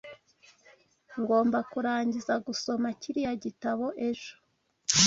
Ngomba kurangiza gusoma kiriya gitabo ejo.